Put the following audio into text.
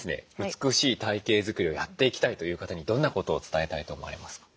美しい体形作りをやっていきたいという方にどんなことを伝えたいと思われますか？